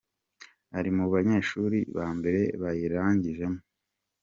Ari mu banyeshuli ba mbere bayirangijemo.